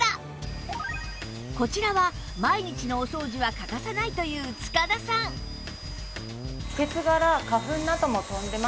こちらは毎日のお掃除は欠かさないという塚田さんをしているとの事